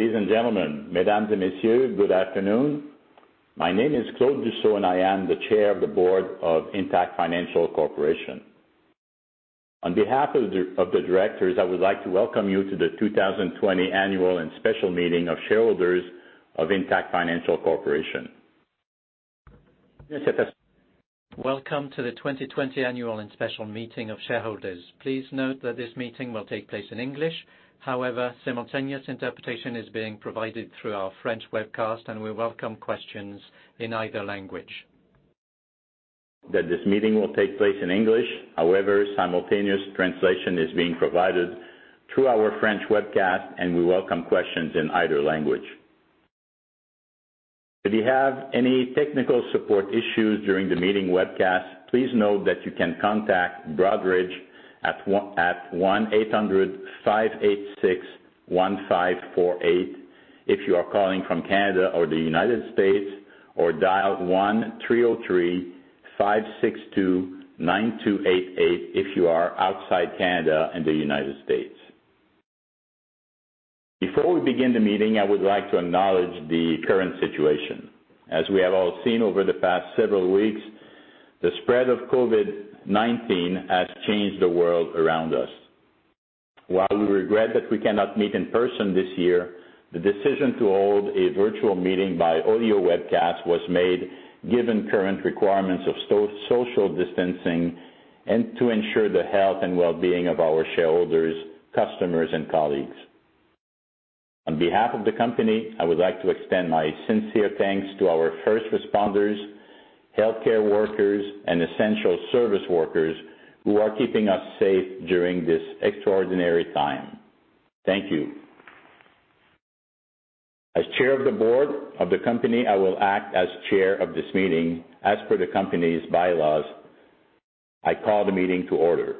Ladies and gentlemen, Mesdames and Messieurs, good afternoon. My name is Claude Dussault, and I am the Chair of the Board of Intact Financial Corporation. On behalf of the directors, I would like to welcome you to the 2020 Annual and Special Meeting of Shareholders of Intact Financial Corporation. Welcome to the 2020 Annual and Special Meeting of Shareholders. Please note that this meeting will take place in English, however, simultaneous interpretation is being provided through our French webcast, and we welcome questions in either language. That this meeting will take place in English, however, simultaneous translation is being provided through our French webcast, and we welcome questions in either language. If you have any technical support issues during the meeting webcast, please note that you can contact Broadridge at 1-800-586-1548 if you are calling from Canada or the United States, or dial 1-303-562-9288 if you are outside Canada and the United States. Before we begin the meeting, I would like to acknowledge the current situation. As we have all seen over the past several weeks, the spread of COVID-19 has changed the world around us. While we regret that we cannot meet in person this year, the decision to hold a virtual meeting by audio webcast was made given current requirements of social distancing and to ensure the health and well-being of our shareholders, customers, and colleagues. On behalf of the company, I would like to extend my sincere thanks to our first responders, healthcare workers, and essential service workers who are keeping us safe during this extraordinary time. Thank you. As Chair of the Board of the company, I will act as chair of this meeting as per the company's bylaws. I call the meeting to order.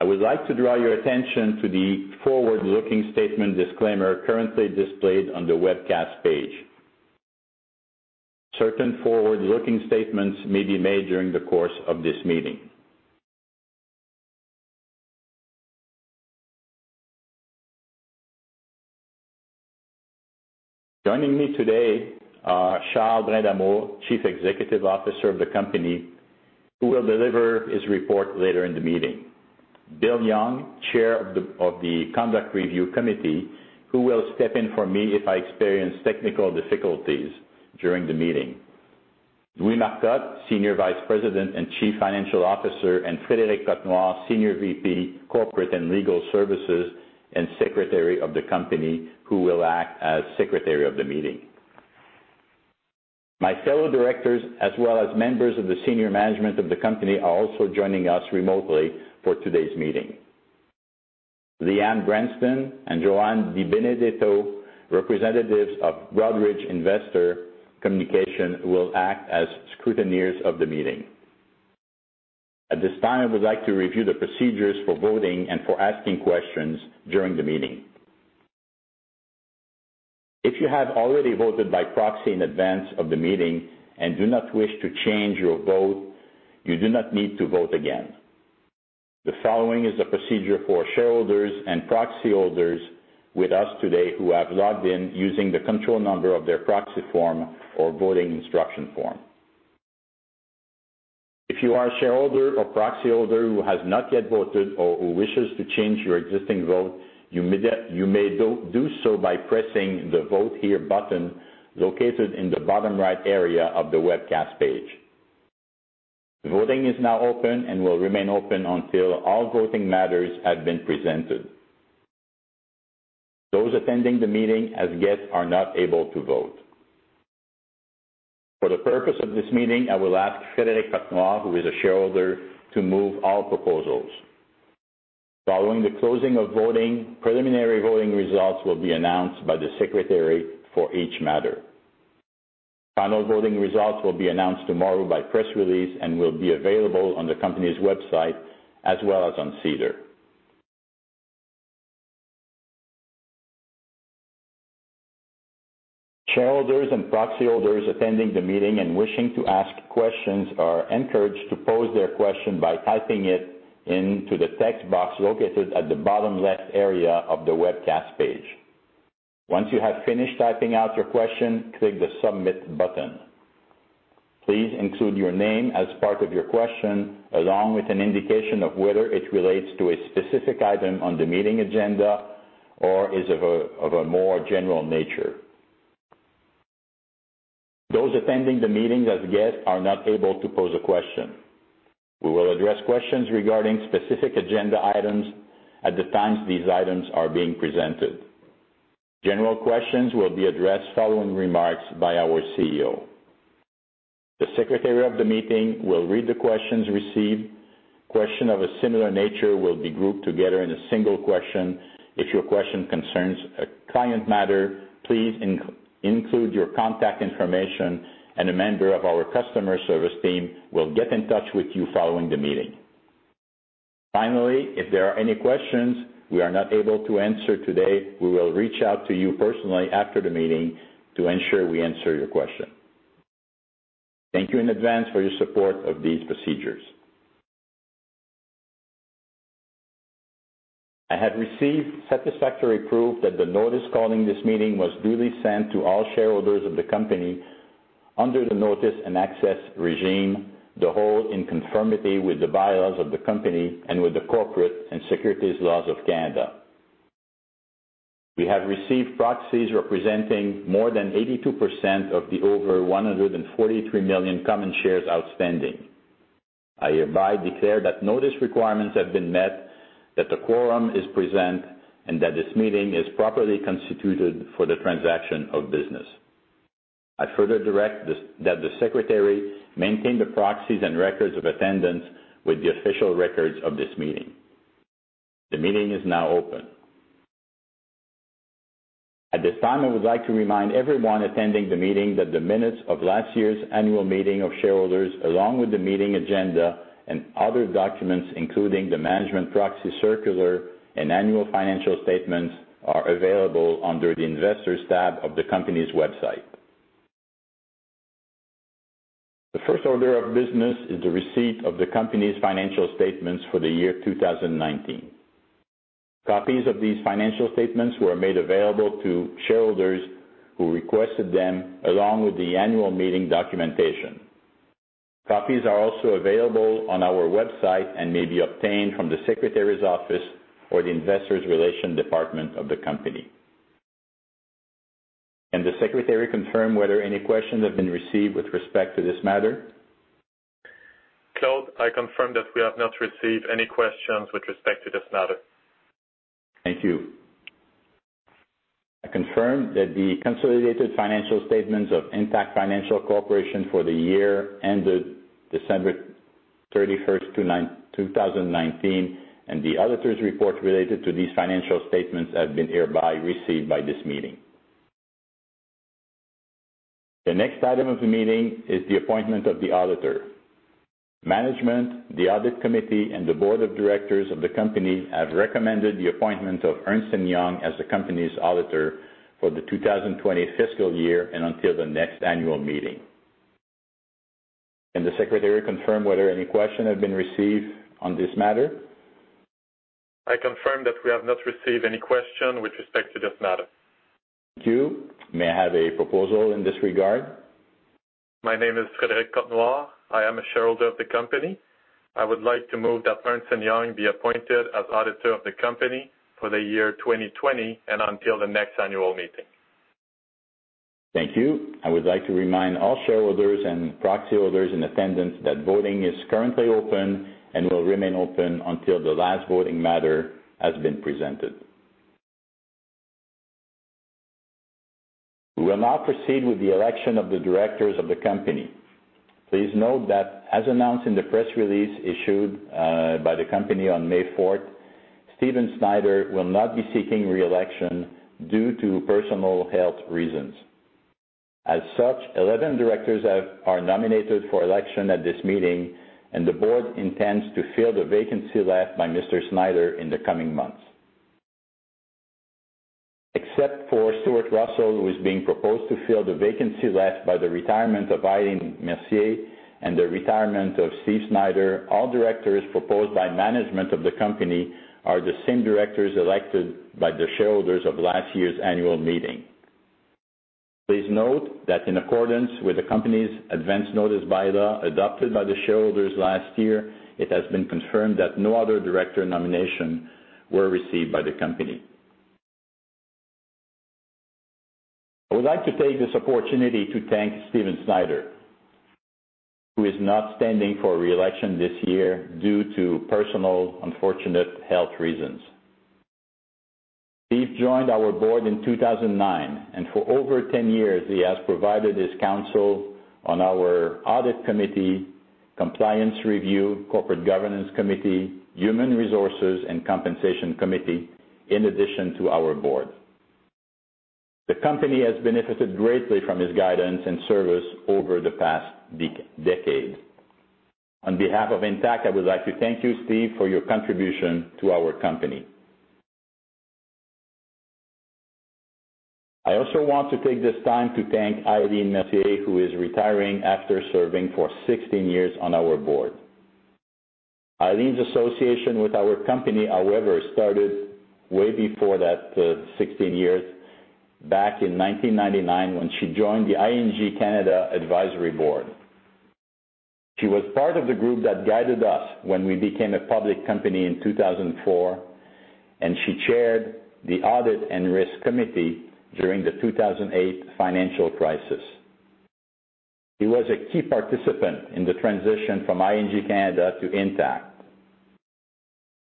I would like to draw your attention to the forward-looking statement disclaimer currently displayed on the webcast page. Certain forward-looking statements may be made during the course of this meeting. Joining me today are Charles Brindamour, Chief Executive Officer of the company, who will deliver his report later in the meeting. Bill Young, Chair of the Conduct Review Committee, who will step in for me if I experience technical difficulties during the meeting. Louis Marcotte, Senior Vice President and Chief Financial Officer, and Frédéric Cotnoir, Senior VP, Corporate and Legal Services and Secretary of the company, who will act as secretary of the meeting. My fellow directors, as well as members of the senior management of the company, are also joining us remotely for today's meeting. Leanne Bernstein and Joanne Di Benedetto, representatives of Broadridge Investor Communication, will act as scrutineers of the meeting. At this time, I would like to review the procedures for voting and for asking questions during the meeting. If you have already voted by proxy in advance of the meeting and do not wish to change your vote, you do not need to vote again. The following is a procedure for shareholders and proxy holders with us today who have logged in using the control number of their proxy form or voting instruction form. If you are a shareholder or proxy holder who has not yet voted or who wishes to change your existing vote, you may do so by pressing the Vote Here button located in the bottom right area of the webcast page. Voting is now open and will remain open until all voting matters have been presented. Those attending the meeting as guests are not able to vote. For the purpose of this meeting, I will ask Frédéric Cotnoir, who is a shareholder, to move all proposals. Following the closing of voting, preliminary voting results will be announced by the secretary for each matter. Final voting results will be announced tomorrow by press release and will be available on the company's website as well as on SEDAR. Shareholders and proxy holders attending the meeting and wishing to ask questions are encouraged to pose their question by typing it into the text box located at the bottom left area of the webcast page. Once you have finished typing out your question, click the Submit button. Please include your name as part of your question, along with an indication of whether it relates to a specific item on the meeting agenda or is of a more general nature. Those attending the meeting as guests are not able to pose a question. We will address questions regarding specific agenda items at the times these items are being presented. General questions will be addressed following remarks by our CEO. The secretary of the meeting will read the questions received. Question of a similar nature will be grouped together in a single question. If your question concerns a client matter, please include your contact information, and a member of our customer service team will get in touch with you following the meeting. Finally, if there are any questions we are not able to answer today, we will reach out to you personally after the meeting to ensure we answer your question. Thank you in advance for your support of these procedures. I have received satisfactory proof that the notice calling this meeting was duly sent to all shareholders of the company under the notice and access regime, the whole in conformity with the bylaws of the company and with the corporate and securities laws of Canada. We have received proxies representing more than 82% of the over 143 million common shares outstanding. I hereby declare that notice requirements have been met, that the quorum is present, and that this meeting is properly constituted for the transaction of business. I further direct this, that the secretary maintain the proxies and records of attendance with the official records of this meeting. The meeting is now open. At this time, I would like to remind everyone attending the meeting that the minutes of last year's annual meeting of shareholders, along with the meeting agenda and other documents, including the management proxy circular and annual financial statements, are available under the Investors tab of the company's website. The first order of business is the receipt of the company's financial statements for the year 2019. Copies of these financial statements were made available to shareholders who requested them, along with the annual meeting documentation. Copies are also available on our website and may be obtained from the Secretary's office or the Investor Relations Department of the company. Can the Secretary confirm whether any questions have been received with respect to this matter? Claude, I confirm that we have not received any questions with respect to this matter. Thank you. I confirm that the consolidated financial statements of Intact Financial Corporation for the year ended December 31, 2019, and the auditors' report related to these financial statements have been hereby received by this meeting. The next item of the meeting is the appointment of the auditor. Management, the audit committee, and the board of directors of the company have recommended the appointment of Ernst & Young as the company's auditor for the 2020 fiscal year and until the next annual meeting. Can the Secretary confirm whether any questions have been received on this matter? I confirm that we have not received any question with respect to this matter. Thank you. May I have a proposal in this regard? My name is Frédéric Cotnoir. I am a shareholder of the company. I would like to move that Ernst & Young be appointed as auditor of the company for the year 2020 and until the next annual meeting. Thank you. I would like to remind all shareholders and proxy holders in attendance that voting is currently open and will remain open until the last voting matter has been presented. We will now proceed with the election of the directors of the company. Please note that as announced in the press release issued by the company on May fourth, Stephen Snyder will not be seeking re-election due to personal health reasons. As such, 11 directors are nominated for election at this meeting, and the board intends to fill the vacancy left by Mr. Snyder in the coming months. Except for Stuart Russell, who is being proposed to fill the vacancy left by the retirement of Eileen Mercier and the retirement of Stephen Snyder, all directors proposed by management of the company are the same directors elected by the shareholders of last year's annual meeting. Please note that in accordance with the company's advance notice bylaw adopted by the shareholders last year, it has been confirmed that no other director nominations were received by the company. I would like to take this opportunity to thank Stephen Snyder, who is not standing for re-election this year due to personal, unfortunate health reasons. Steve joined our board in 2009, and for over 10 years, he has provided his counsel on our Audit Committee, Compliance Review, Corporate Governance Committee, Human Resources and Compensation Committee, in addition to our board. The company has benefited greatly from his guidance and service over the past decade. On behalf of Intact, I would like to thank you, Steve, for your contribution to our company. I also want to take this time to thank Eileen Mercier, who is retiring after serving for 16 years on our board. Eileen's association with our company, however, started way before that, 16 years, back in 1999, when she joined the ING Canada Advisory Board. She was part of the group that guided us when we became a public company in 2004, and she chaired the Audit and Risk committee during the 2008 financial crisis. She was a key participant in the transition from ING Canada to Intact.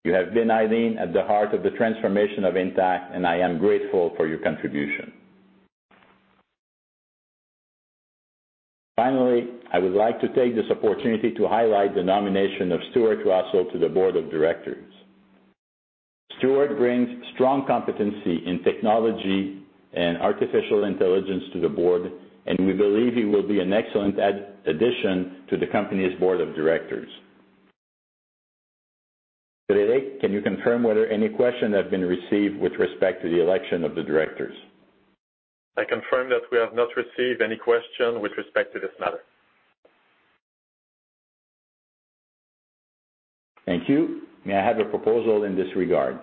You have been, Eileen, at the heart of the transformation of Intact, and I am grateful for your contribution. Finally, I would like to take this opportunity to highlight the nomination of Stuart Russell to the board of directors. Stuart brings strong competency in technology and artificial intelligence to the board, and we believe he will be an excellent addition to the company's board of directors.... Frédéric, can you confirm whether any question have been received with respect to the election of the directors? I confirm that we have not received any question with respect to this matter. Thank you. May I have a proposal in this regard?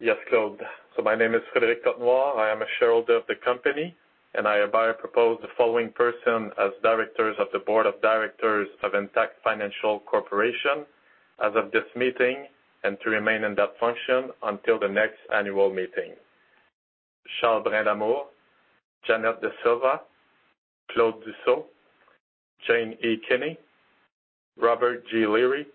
Yes, Claude. So my name is Frédéric Cotnoir. I am a shareholder of the company, and I hereby propose the following person as directors of the Board of Directors of Intact Financial Corporation as of this meeting, and to remain in that function until the next annual meeting: Charles Brindamour, Janet De Silva, Claude Dussault, Jane E. Kinney, Robert G. Leary,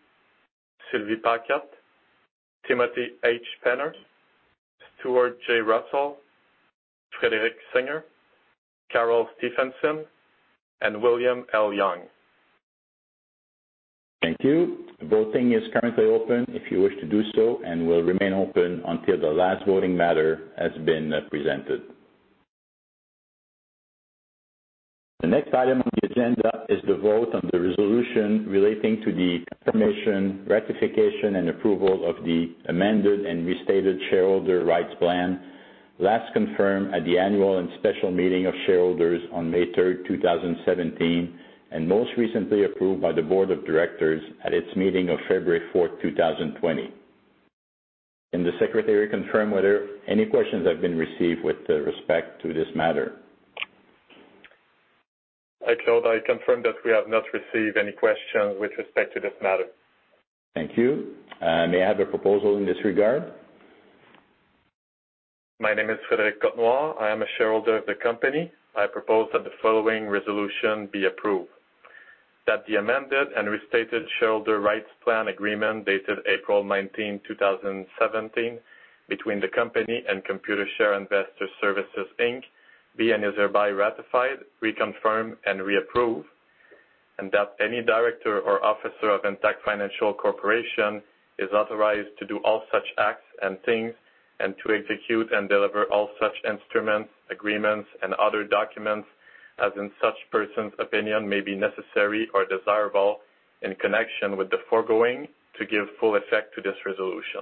Sylvie Paquette, Timothy H. Penner, Stuart J. Russell, Frederick Singer, Carol Stephenson, and William L. Young. Thank you. Voting is currently open, if you wish to do so, and will remain open until the last voting matter has been presented. The next item on the agenda is the vote on the resolution relating to the promotion, ratification, and approval of the amended and restated shareholder rights plan, last confirmed at the annual and special meeting of shareholders on May 3, 2017, and most recently approved by the board of directors at its meeting of February 4, 2020. Can the secretary confirm whether any questions have been received with respect to this matter? Hi, Claude. I confirm that we have not received any questions with respect to this matter. Thank you. May I have a proposal in this regard? My name is Frédéric Cotnoir. I am a shareholder of the company. I propose that the following resolution be approved: That the amended and restated shareholder rights plan agreement, dated April 19, 2017, between the company and Computershare Investor Services Inc., be and is hereby ratified, reconfirmed, and reapproved. And that any director or officer of Intact Financial Corporation is authorized to do all such acts and things, and to execute and deliver all such instruments, agreements, and other documents, as in such person's opinion, may be necessary or desirable in connection with the foregoing, to give full effect to this resolution.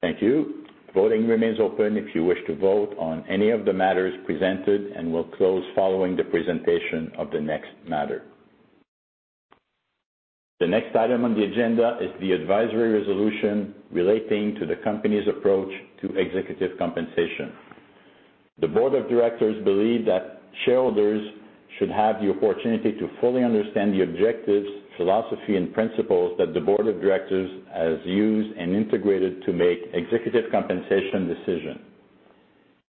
Thank you. Voting remains open if you wish to vote on any of the matters presented and will close following the presentation of the next matter. The next item on the agenda is the advisory resolution relating to the company's approach to executive compensation. The board of directors believe that shareholders should have the opportunity to fully understand the objectives, philosophy, and principles that the board of directors has used and integrated to make executive compensation decision.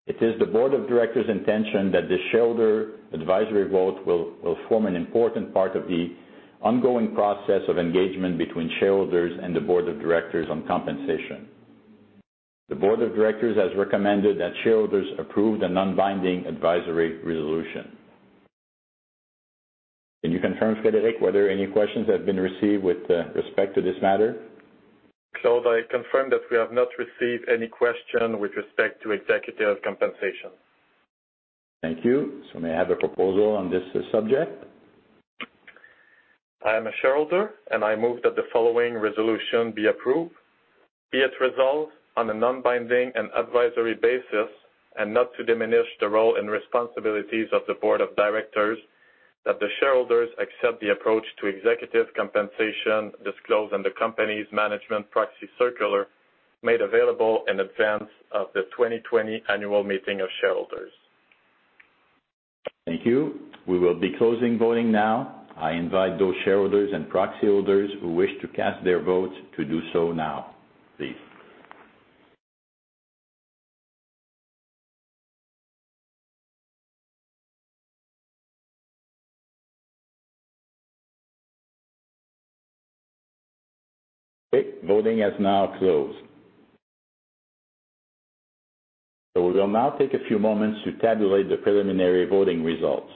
It is the board of directors' intention that the shareholder advisory vote will, will form an important part of the ongoing process of engagement between shareholders and the board of directors on compensation. The board of directors has recommended that shareholders approve the non-binding advisory resolution. Can you confirm, Frédéric, whether any questions have been received with respect to this matter? Claude, I confirm that we have not received any question with respect to executive compensation. Thank you. May I have a proposal on this subject? I am a shareholder, and I move that the following resolution be approved: Be it resolved on a non-binding and advisory basis, and not to diminish the role and responsibilities of the board of directors, that the shareholders accept the approach to executive compensation disclosed in the company's management proxy circular, made available in advance of the 2020 annual meeting of shareholders. Thank you. We will be closing voting now. I invite those shareholders and proxy holders who wish to cast their votes to do so now, please. Okay, voting has now closed. So we will now take a few moments to tabulate the preliminary voting results.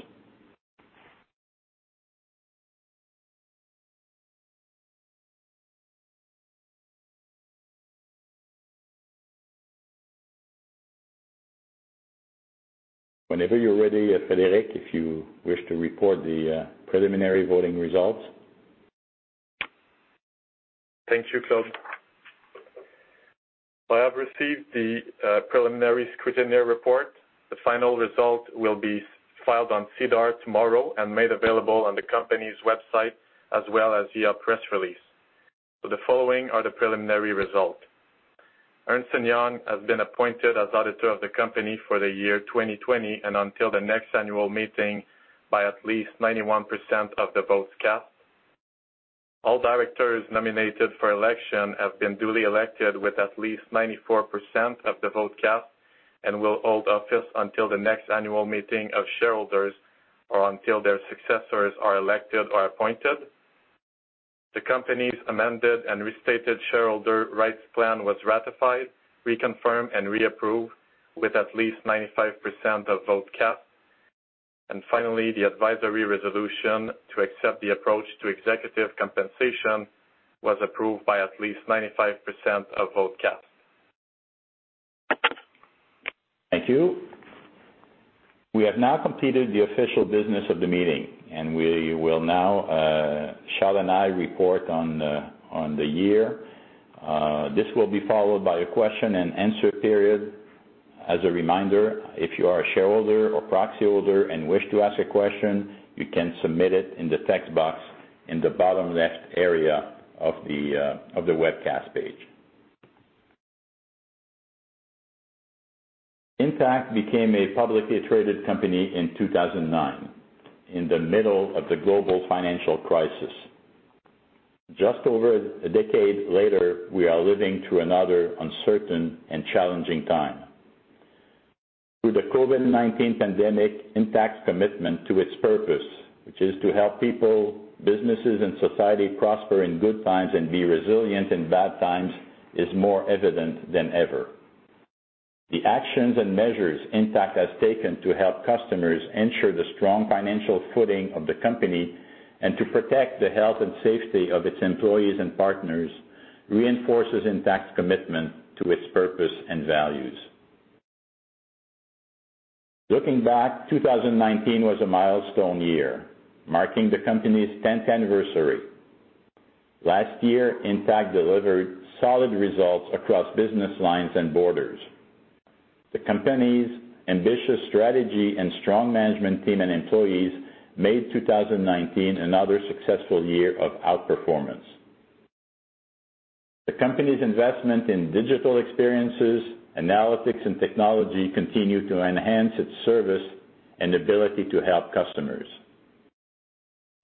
Whenever you're ready, Frédéric, if you wish to report the preliminary voting results. Thank you, Claude. I have received the preliminary scrutineer report. The final result will be filed on SEDAR tomorrow and made available on the company's website, as well as via press release. The following are the preliminary results. Ernst & Young has been appointed as auditor of the company for the year 2020, and until the next annual meeting by at least 91% of the votes cast. All directors nominated for election have been duly elected with at least 94% of the vote cast, and will hold office until the next annual meeting of shareholders, or until their successors are elected or appointed. The company's amended and restated shareholder rights plan was ratified, reconfirmed, and reapproved with at least 95% of vote cast. Finally, the advisory resolution to accept the approach to executive compensation was approved by at least 95% of vote cast.... Thank you. We have now completed the official business of the meeting, and we will now, Charles and I report on the, on the year. This will be followed by a question and answer period. As a reminder, if you are a shareholder or proxy holder and wish to ask a question, you can submit it in the text box in the bottom left area of the, of the webcast page. Intact became a publicly traded company in 2009, in the middle of the global financial crisis. Just over a decade later, we are living through another uncertain and challenging time. Through the COVID-19 pandemic, Intact's commitment to its purpose, which is to help people, businesses, and society prosper in good times and be resilient in bad times, is more evident than ever. The actions and measures Intact has taken to help customers ensure the strong financial footing of the company and to protect the health and safety of its employees and partners, reinforces Intact's commitment to its purpose and values. Looking back, 2019 was a milestone year, marking the company's tenth anniversary. Last year, Intact delivered solid results across business lines and borders. The company's ambitious strategy and strong management team and employees made 2019 another successful year of outperformance. The company's investment in digital experiences, analytics, and technology continue to enhance its service and ability to help customers.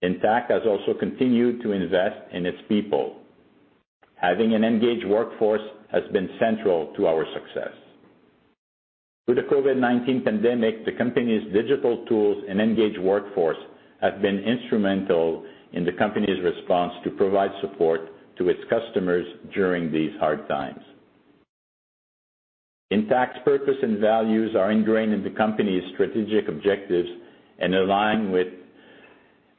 Intact has also continued to invest in its people. Having an engaged workforce has been central to our success. Through the COVID-19 pandemic, the company's digital tools and engaged workforce have been instrumental in the company's response to provide support to its customers during these hard times. Intact's purpose and values are ingrained in the company's strategic objectives and align with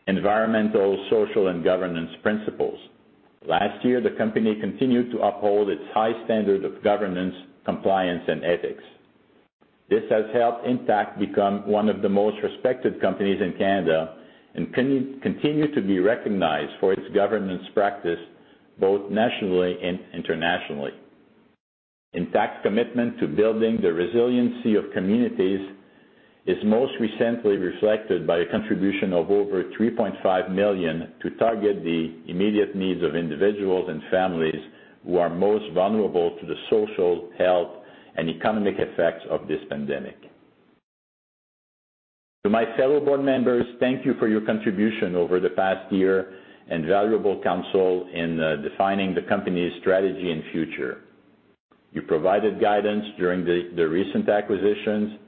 environmental, social, and governance principles. Last year, the company continued to uphold its high standard of governance, compliance, and ethics. This has helped Intact become one of the most respected companies in Canada and continue to be recognized for its governance practice, both nationally and internationally. Intact's commitment to building the resiliency of communities is most recently reflected by a contribution of over 3.5 million to target the immediate needs of individuals and families who are most vulnerable to the social, health, and economic effects of this pandemic. To my fellow board members, thank you for your contribution over the past year and valuable counsel in defining the company's strategy and future. You provided guidance during the recent acquisitions,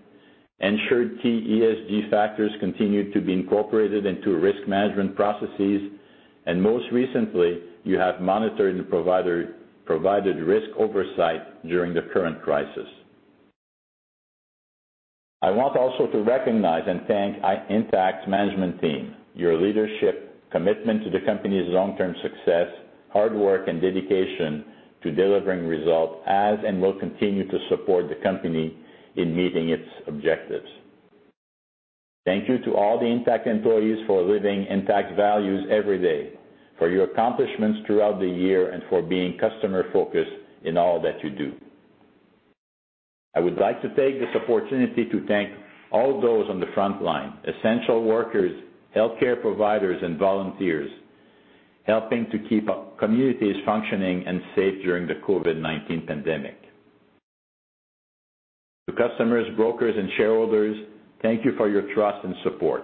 ensured key ESG factors continued to be incorporated into risk management processes, and most recently, you have monitored and provided risk oversight during the current crisis. I want also to recognize and thank Intact's management team. Your leadership, commitment to the company's long-term success, hard work, and dedication to delivering results has and will continue to support the company in meeting its objectives. Thank you to all the Intact employees for living Intact's values every day, for your accomplishments throughout the year, and for being customer-focused in all that you do. I would like to take this opportunity to thank all those on the front line, essential workers, healthcare providers, and volunteers, helping to keep our communities functioning and safe during the COVID-19 pandemic. To customers, brokers, and shareholders, thank you for your trust and support.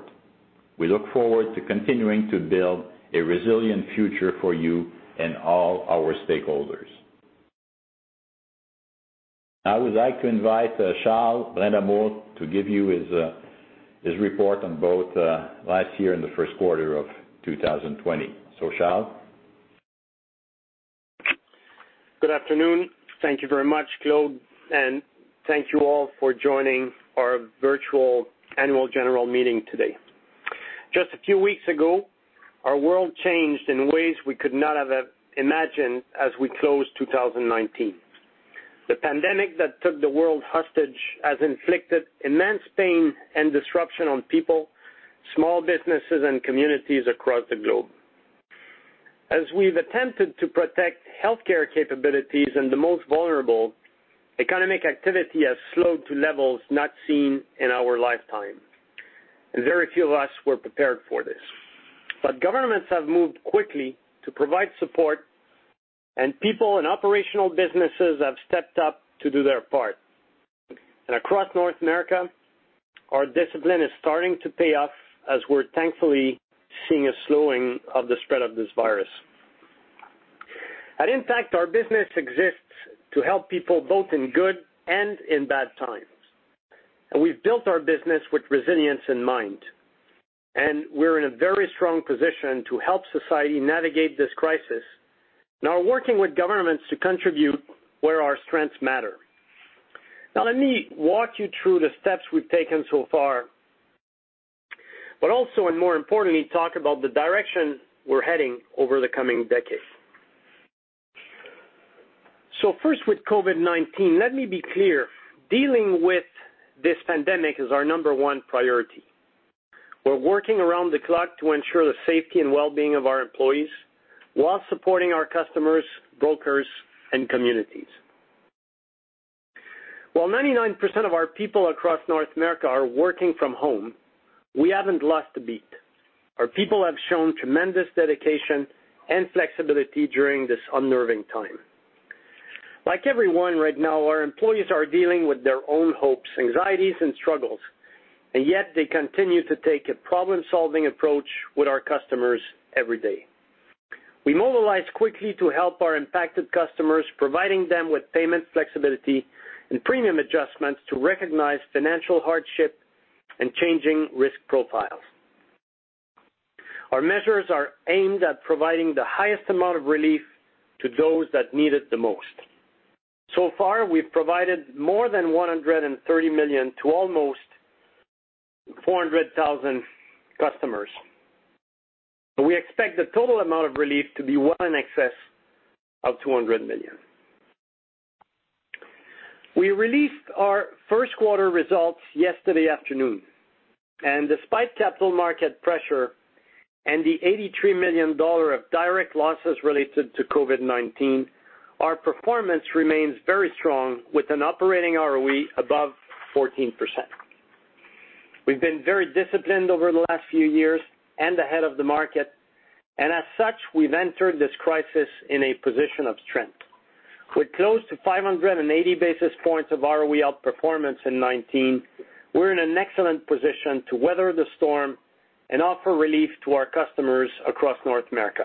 We look forward to continuing to build a resilient future for you and all our stakeholders. Now, I would like to invite Charles Brindamour to give you his report on both last year and the first quarter of 2020. So, Charles? Good afternoon. Thank you very much, Claude, and thank you all for joining our virtual annual general meeting today. Just a few weeks ago, our world changed in ways we could not have imagined as we closed 2019. The pandemic that took the world hostage has inflicted immense pain and disruption on people, small businesses, and communities across the globe. As we've attempted to protect healthcare capabilities and the most vulnerable, economic activity has slowed to levels not seen in our lifetime, and very few of us were prepared for this. But governments have moved quickly to provide support, and people and operational businesses have stepped up to do their part. And across North America, our discipline is starting to pay off as we're thankfully seeing a slowing of the spread of this virus. At Intact, our business exists to help people both in good and in bad times, and we've built our business with resilience in mind. And we're in a very strong position to help society navigate this crisis, and are working with governments to contribute where our strengths matter. Now, let me walk you through the steps we've taken so far, but also, and more importantly, talk about the direction we're heading over the coming decades. So first, with COVID-19, let me be clear, dealing with this pandemic is our number one priority. We're working around the clock to ensure the safety and well-being of our employees while supporting our customers, brokers, and communities. While 99% of our people across North America are working from home, we haven't lost a beat. Our people have shown tremendous dedication and flexibility during this unnerving time. Like everyone right now, our employees are dealing with their own hopes, anxieties, and struggles, and yet they continue to take a problem-solving approach with our customers every day. We mobilized quickly to help our impacted customers, providing them with payment flexibility and premium adjustments to recognize financial hardship and changing risk profiles. Our measures are aimed at providing the highest amount of relief to those that need it the most. So far, we've provided more than 130 million to almost 400,000 customers, and we expect the total amount of relief to be well in excess of 200 million. We released our first quarter results yesterday afternoon, and despite capital market pressure and the 83 million dollar of direct losses related to COVID-19, our performance remains very strong, with an operating ROE above 14%. We've been very disciplined over the last few years and ahead of the market, and as such, we've entered this crisis in a position of strength. With close to 580 basis points of ROE outperformance in 2019, we're in an excellent position to weather the storm and offer relief to our customers across North America.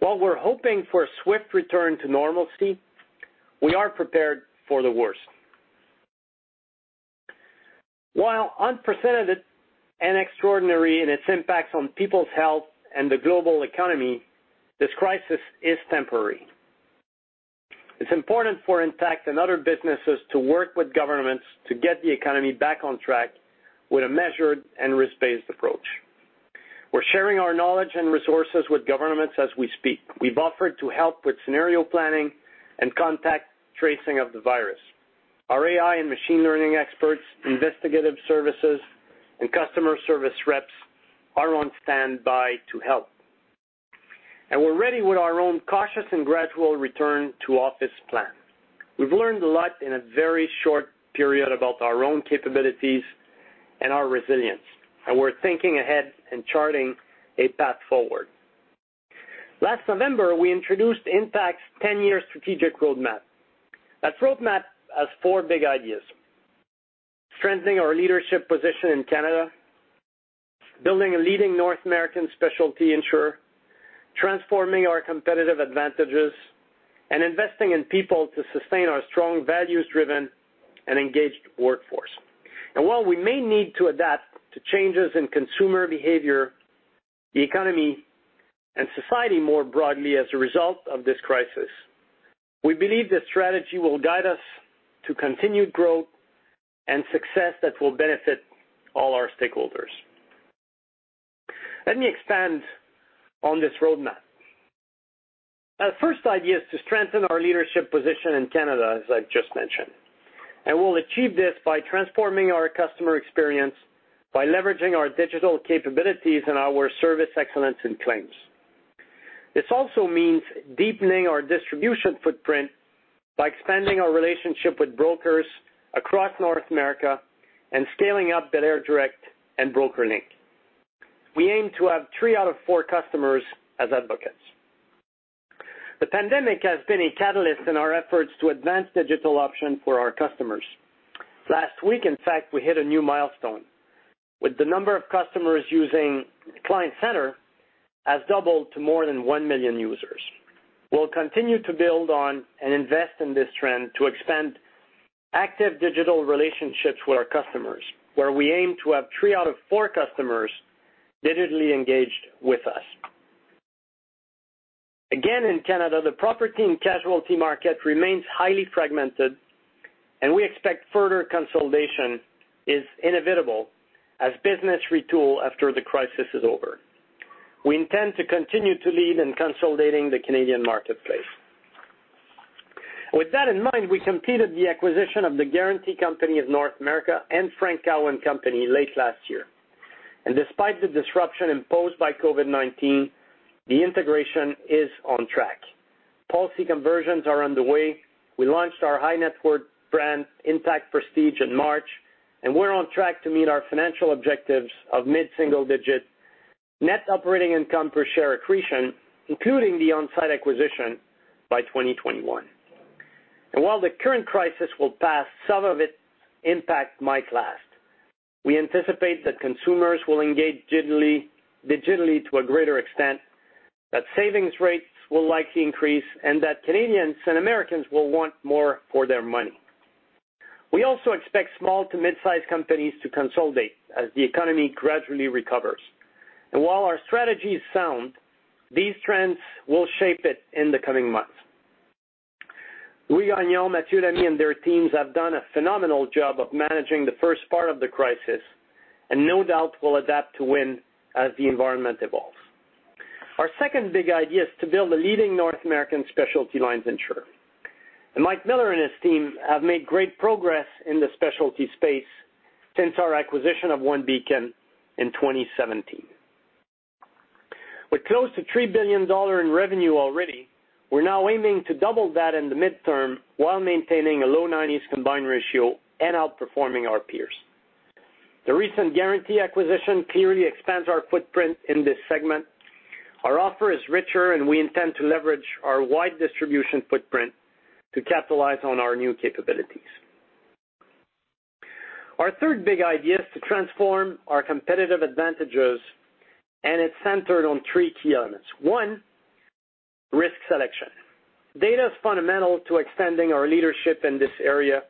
While we're hoping for a swift return to normalcy, we are prepared for the worst. While unprecedented and extraordinary in its impacts on people's health and the global economy, this crisis is temporary. It's important for Intact and other businesses to work with governments to get the economy back on track with a measured and risk-based approach. We're sharing our knowledge and resources with governments as we speak. We've offered to help with scenario planning and contact tracing of the virus. Our AI and machine learning experts, investigative services, and customer service reps are on standby to help, and we're ready with our own cautious and gradual return to office plan. We've learned a lot in a very short period about our own capabilities and our resilience, and we're thinking ahead and charting a path forward. Last November, we introduced Intact's ten-year strategic roadmap. That roadmap has four big ideas: strengthening our leadership position in Canada, building a leading North American specialty insurer, transforming our competitive advantages, and investing in people to sustain our strong, values-driven, and engaged workforce. And while we may need to adapt to changes in consumer behavior, the economy, and society more broadly as a result of this crisis, we believe this strategy will guide us to continued growth and success that will benefit all our stakeholders. Let me expand on this roadmap. Our first idea is to strengthen our leadership position in Canada, as I've just mentioned, and we'll achieve this by transforming our customer experience, by leveraging our digital capabilities and our service excellence in claims. This also means deepening our distribution footprint by expanding our relationship with brokers across North America and scaling up belairdirect and BrokerLink. We aim to have 3 out of 4 customers as advocates. The pandemic has been a catalyst in our efforts to advance digital options for our customers. Last week, in fact, we hit a new milestone, with the number of customers using Client Centre has doubled to more than 1 million users. We'll continue to build on and invest in this trend to expand active digital relationships with our customers, where we aim to have 3 out of 4 customers digitally engaged with us. Again, in Canada, the property and casualty market remains highly fragmented, and we expect further consolidation is inevitable as businesses retool after the crisis is over. We intend to continue to lead in consolidating the Canadian marketplace. With that in mind, we completed the acquisition of the Guarantee Company of North America and Frank Cowan Company late last year. And despite the disruption imposed by COVID-19, the integration is on track. Policy conversions are underway. We launched our high-net-worth brand, Intact Prestige, in March, and we're on track to meet our financial objectives of mid-single-digit net operating income per share accretion, including the On Side acquisition by 2021. And while the current crisis will pass, some of its impact might last. We anticipate that consumers will engage digitally, digitally to a greater extent, that savings rates will likely increase, and that Canadians and Americans will want more for their money. We also expect small to mid-size companies to consolidate as the economy gradually recovers. And while our strategy is sound, these trends will shape it in the coming months. Louis Gagnon, Mathieu Lamy and their teams have done a phenomenal job of managing the first part of the crisis, and no doubt will adapt to win as the environment evolves. Our second big idea is to build a leading North American specialty lines insurer, and Mike Miller and his team have made great progress in the specialty space since our acquisition of OneBeacon in 2017. With close to 3 billion dollar in revenue already, we're now aiming to double that in the midterm, while maintaining a low 90s combined ratio and outperforming our peers. The recent Guarantee acquisition clearly expands our footprint in this segment. Our offer is richer, and we intend to leverage our wide distribution footprint to capitalize on our new capabilities. Our third big idea is to transform our competitive advantages, and it's centered on three key elements. One, risk selection. Data is fundamental to extending our leadership in this area,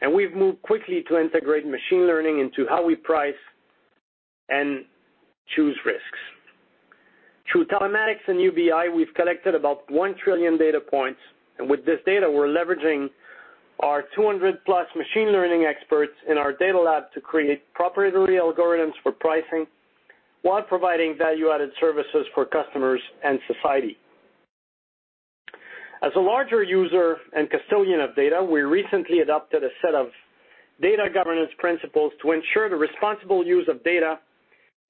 and we've moved quickly to integrate machine learning into how we price and choose risks. Through telematics and UBI, we've collected about 1 trillion data points, and with this data, we're leveraging our 200+ machine learning experts in our Data Lab to create proprietary algorithms for pricing, while providing value-added services for customers and society. As a larger user and custodian of data, we recently adopted a set of data governance principles to ensure the responsible use of data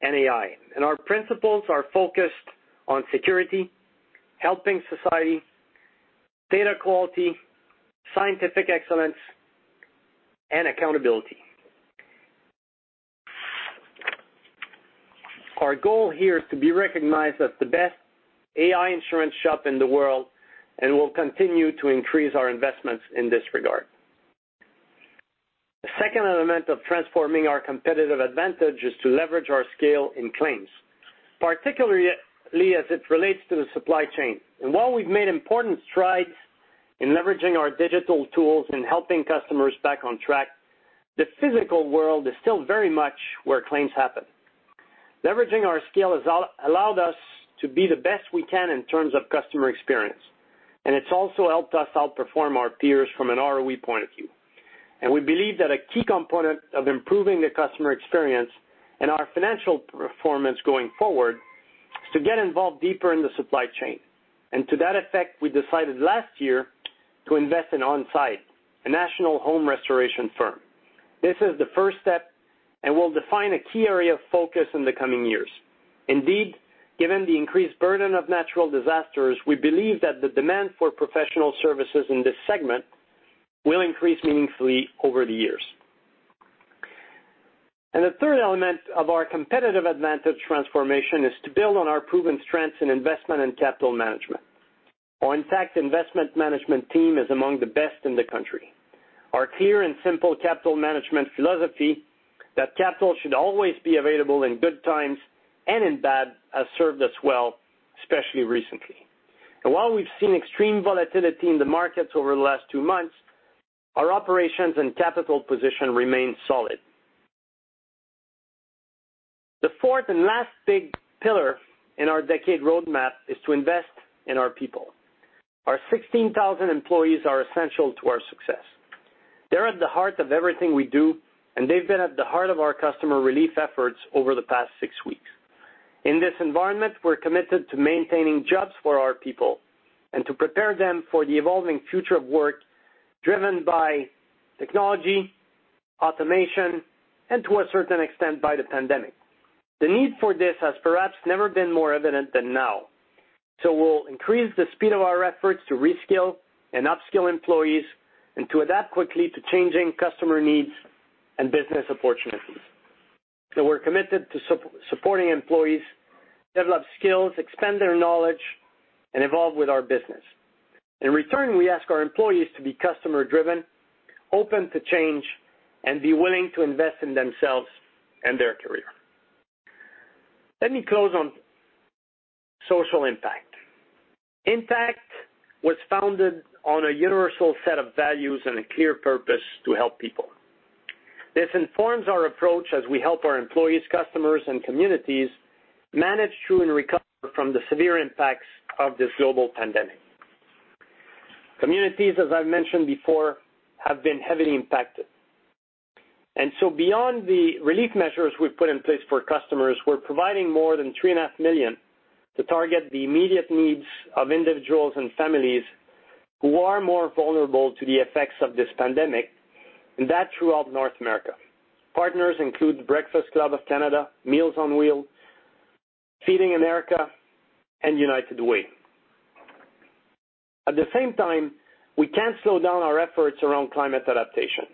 and AI. Our principles are focused on security, helping society, data quality, scientific excellence, and accountability. Our goal here is to be recognized as the best AI insurance shop in the world, and we'll continue to increase our investments in this regard. The second element of transforming our competitive advantage is to leverage our scale in claims, particularly as it relates to the supply chain. While we've made important strides in leveraging our digital tools and helping customers back on track, the physical world is still very much where claims happen. Leveraging our scale has allowed us to be the best we can in terms of customer experience, and it's also helped us outperform our peers from an ROE point of view. And we believe that a key component of improving the customer experience and our financial performance going forward, is to get involved deeper in the supply chain. And to that effect, we decided last year to invest in On Side, a national home restoration firm. This is the first step, and we'll define a key area of focus in the coming years. Indeed, given the increased burden of natural disasters, we believe that the demand for professional services in this segment will increase meaningfully over the years. And the third element of our competitive advantage transformation is to build on our proven strengths in investment and capital management. Our Intact Investment Management team is among the best in the country. Our clear and simple capital management philosophy, that capital should always be available in good times and in bad, has served us well, especially recently. While we've seen extreme volatility in the markets over the last 2 months, our operations and capital position remain solid. The fourth and last big pillar in our decade roadmap is to invest in our people. Our 16,000 employees are essential to our success. They're at the heart of everything we do, and they've been at the heart of our customer relief efforts over the past 6 weeks. In this environment, we're committed to maintaining jobs for our people and to prepare them for the evolving future of work, driven by technology, automation, and to a certain extent, by the pandemic. The need for this has perhaps never been more evident than now. We'll increase the speed of our efforts to reskill and upskill employees and to adapt quickly to changing customer needs and business opportunities. So we're committed to supporting employees, develop skills, expand their knowledge, and evolve with our business. In return, we ask our employees to be customer-driven, open to change, and be willing to invest in themselves and their career. Let me close on social impact. Intact was founded on a universal set of values and a clear purpose to help people. This informs our approach as we help our employees, customers, and communities manage through and recover from the severe impacts of this global pandemic. Communities, as I've mentioned before, have been heavily impacted, and so beyond the relief measures we've put in place for customers, we're providing more than 3.5 million to target the immediate needs of individuals and families who are more vulnerable to the effects of this pandemic, and that throughout North America. Partners include the Breakfast Club of Canada, Meals on Wheels, Feeding America, and United Way. At the same time, we can't slow down our efforts around climate adaptation.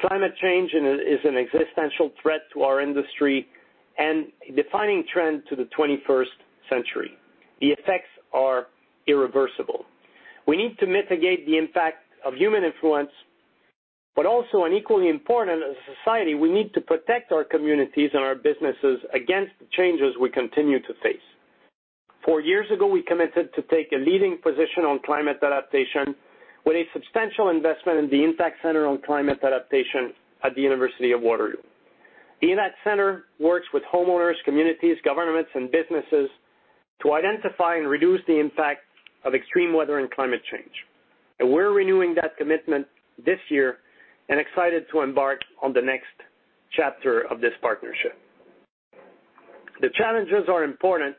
Climate change is an existential threat to our industry and a defining trend to the twenty-first century. The effects are irreversible. We need to mitigate the impact of human influence, but also, and equally important, as a society, we need to protect our communities and our businesses against the changes we continue to face. Four years ago, we committed to take a leading position on climate adaptation with a substantial investment in the Intact Centre on Climate Adaptation at the University of Waterloo. The Intact Centre works with homeowners, communities, governments, and businesses to identify and reduce the impact of extreme weather and climate change. We're renewing that commitment this year and excited to embark on the next chapter of this partnership. The challenges are important,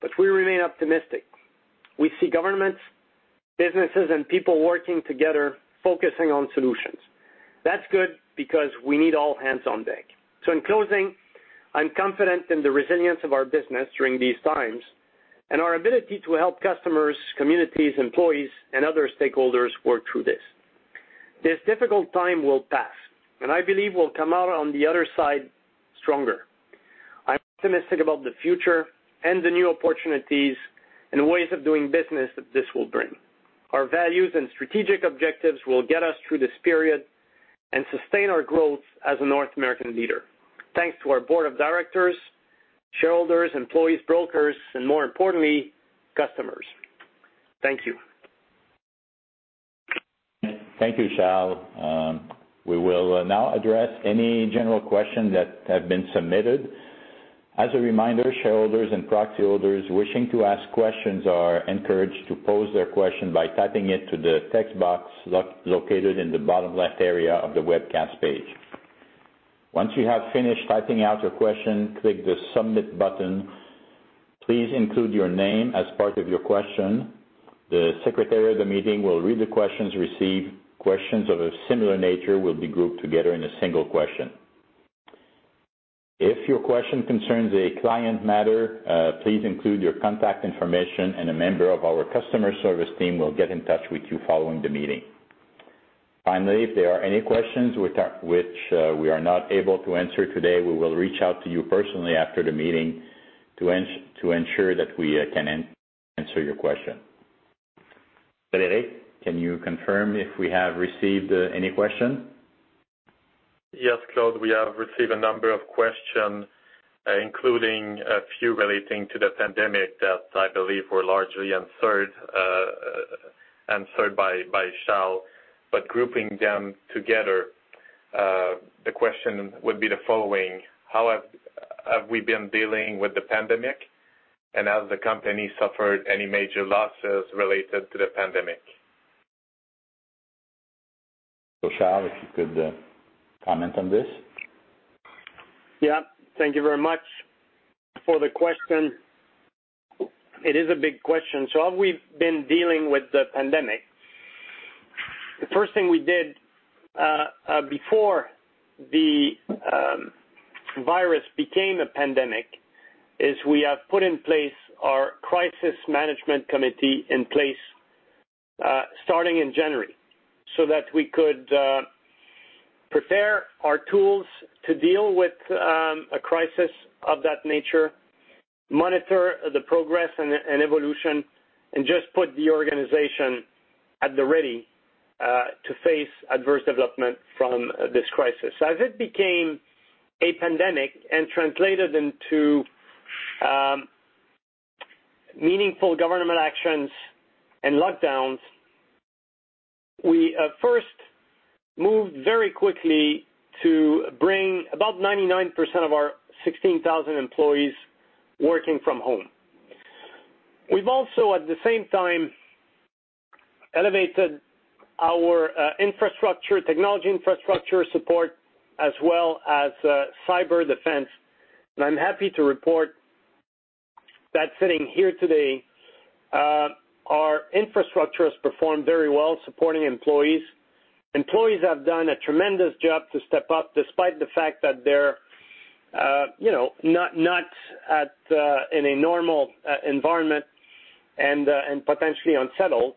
but we remain optimistic. We see governments, businesses, and people working together, focusing on solutions. That's good, because we need all hands on deck. So in closing, I'm confident in the resilience of our business during these times, and our ability to help customers, communities, employees, and other stakeholders work through this. This difficult time will pass, and I believe we'll come out on the other side stronger. I'm optimistic about the future and the new opportunities and ways of doing business that this will bring. Our values and strategic objectives will get us through this period and sustain our growth as a North American leader. Thanks to our board of directors, shareholders, employees, brokers and more importantly, customers. Thank you. Thank you, Charles. We will now address any general questions that have been submitted. As a reminder, shareholders and proxy holders wishing to ask questions are encouraged to pose their question by typing it to the text box located in the bottom left area of the webcast page. Once you have finished typing out your question, click the Submit button. Please include your name as part of your question. The secretary of the meeting will read the questions received. Questions of a similar nature will be grouped together in a single question. If your question concerns a client matter, please include your contact information, and a member of our customer service team will get in touch with you following the meeting. Finally, if there are any questions which we are not able to answer today, we will reach out to you personally after the meeting to ensure that we can answer your question. Frédéric, can you confirm if we have received any questions? Yes, Claude, we have received a number of questions, including a few relating to the pandemic that I believe were largely answered by Charles. But grouping them together, the question would be the following: How have we been dealing with the pandemic? And has the company suffered any major losses related to the pandemic? So Charles, if you could, comment on this. Yeah, thank you very much for the question. It is a big question. So how we've been dealing with the pandemic? The first thing we did, before the virus became a pandemic, is we have put in place our crisis management committee in place, starting in January, so that we could prepare our tools to deal with a crisis of that nature, monitor the progress and, and evolution, and just put the organization at the ready to face adverse development from this crisis. As it became a pandemic and translated into meaningful government actions and lockdowns, we first moved very quickly to bring about 99% of our 16,000 employees working from home. We've also, at the same time, elevated our infrastructure, technology infrastructure support, as well as cyber defense. I'm happy to report that sitting here today, our infrastructure has performed very well, supporting employees. Employees have done a tremendous job to step up, despite the fact that they're, you know, not, not at, in a normal, environment and, and potentially unsettled.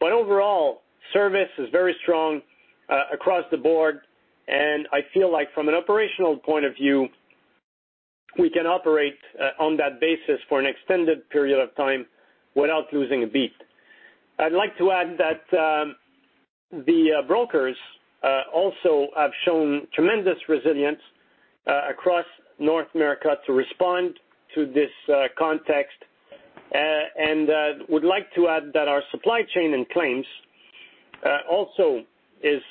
But overall, service is very strong, across the board, and I feel like from an operational point of view, we can operate, on that basis for an extended period of time without losing a beat. I'd like to add that, the brokers also have shown tremendous resilience, across North America to respond to this, context. Would like to add that our supply chain and claims also is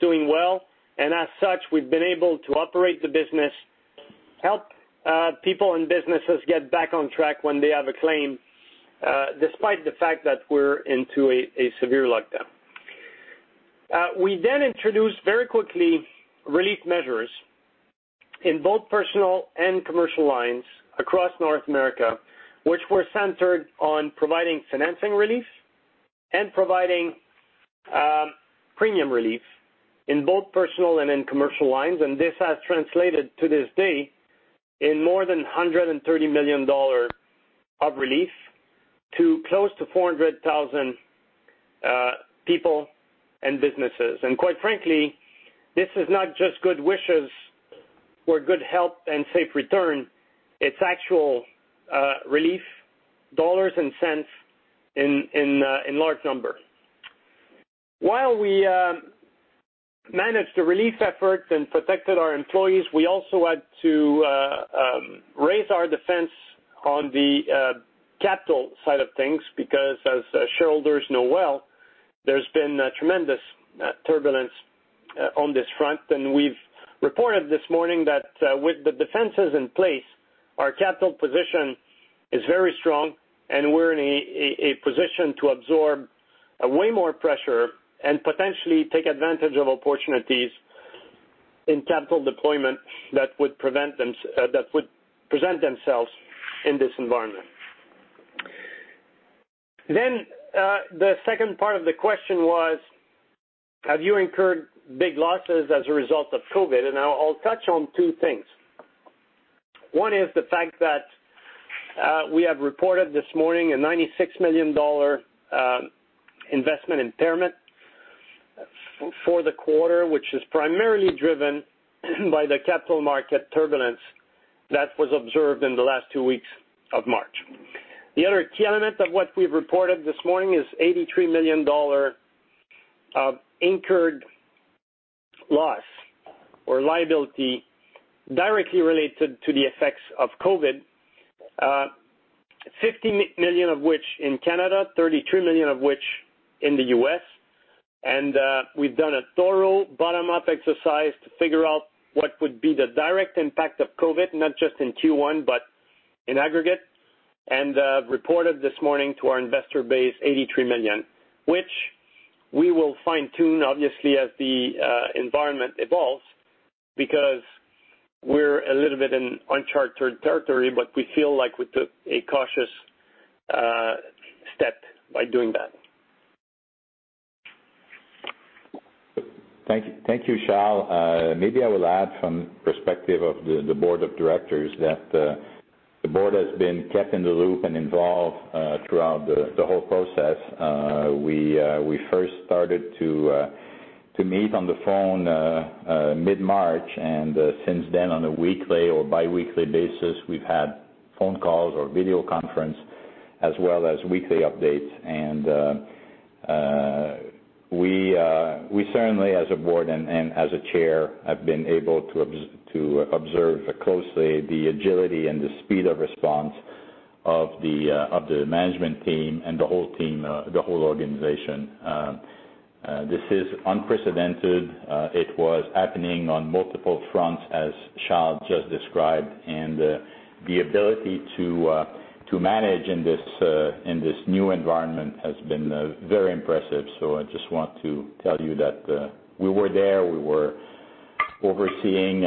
doing well, and as such, we've been able to operate the business, help people and businesses get back on track when they have a claim, despite the fact that we're into a severe lockdown. We then introduced very quickly relief measures in both personal and commercial lines across North America, which were centered on providing financing relief and providing premium relief in both personal and in commercial lines. This has translated to this day in more than 130 million dollars of relief to close to 400,000 people and businesses. Quite frankly, this is not just good wishes for good health and safe return, it's actual relief, dollars and cents in large numbers. While we managed the relief efforts and protected our employees, we also had to raise our defense on the capital side of things, because as shareholders know well... There’s been a tremendous turbulence on this front, and we’ve reported this morning that with the defenses in place, our capital position is very strong, and we’re in a position to absorb way more pressure and potentially take advantage of opportunities in capital deployment that would present themselves in this environment. Then the second part of the question was: Have you incurred big losses as a result of COVID? And now I’ll touch on two things. One is the fact that, we have reported this morning a 96 million dollar investment impairment for the quarter, which is primarily driven by the capital market turbulence that was observed in the last two weeks of March. The other key element of what we've reported this morning is 83 million dollar of incurred loss or liability directly related to the effects of COVID. Fifty million of which in Canada, thirty-three million of which in the U.S. And, we've done a thorough bottom-up exercise to figure out what would be the direct impact of COVID, not just in Q1, but in aggregate. And, reported this morning to our investor base, 83 million, which we will fine-tune, obviously, as the environment evolves, because we're a little bit in uncharted territory, but we feel like we took a cautious step by doing that. Thank you. Thank you, Charles. Maybe I will add from perspective of the board of directors, that the board has been kept in the loop and involved throughout the whole process. We first started to meet on the phone mid-March, and since then, on a weekly or bi-weekly basis, we've had phone calls or video conference, as well as weekly updates. We certainly, as a board and as a chair, have been able to observe closely the agility and the speed of response of the management team and the whole team, the whole organization. This is unprecedented. It was happening on multiple fronts, as Charles just described, and the ability to manage in this new environment has been very impressive. So I just want to tell you that we were there, we were overseeing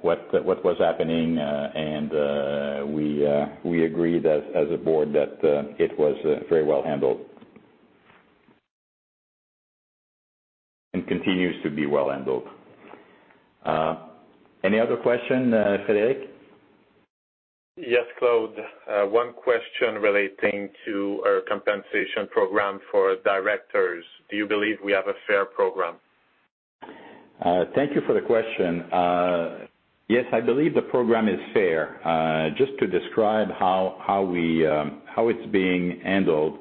what was happening, and we agreed as a board that it was very well handled. And continues to be well handled. Any other question, Frédéric? Yes, Claude. One question relating to our compensation program for directors. Do you believe we have a fair program? Thank you for the question. Yes, I believe the program is fair. Just to describe how we how it's being handled,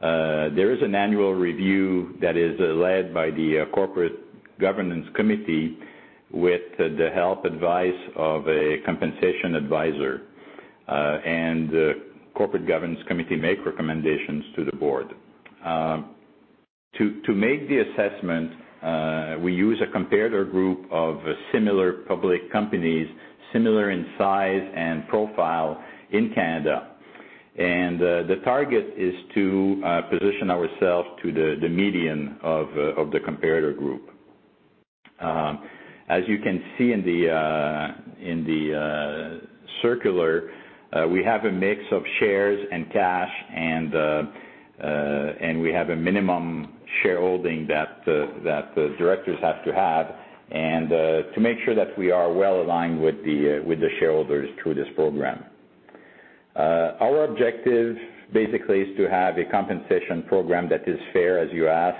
there is an annual review that is led by the Corporate Governance Committee with the help, advice of a compensation advisor. And the Corporate Governance Committee make recommendations to the board. To make the assessment, we use a comparator group of similar public companies, similar in size and profile in Canada. And the target is to position ourselves to the median of the comparator group. As you can see in the circular, we have a mix of shares and cash, and we have a minimum shareholding that the directors have to have, and to make sure that we are well aligned with the shareholders through this program. Our objective basically is to have a compensation program that is fair, as you ask,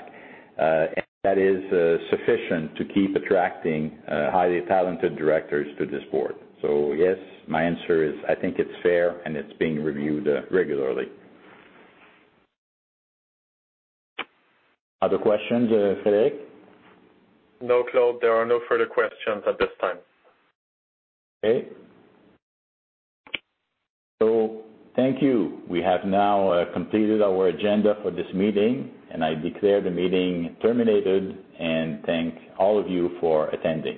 and that is sufficient to keep attracting highly talented directors to this board. So yes, my answer is, I think it's fair, and it's being reviewed regularly. Other questions, Frédéric? No, Claude, there are no further questions at this time. Okay. So thank you. We have now completed our agenda for this meeting, and I declare the meeting terminated, and thank all of you for attending.